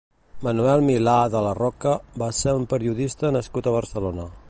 Manuel Milá de la Roca va ser un periodista nascut a Barcelona.